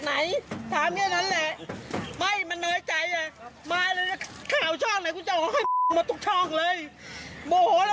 เราจะไปเอาจากไหนถามอย่างนั้นแหละ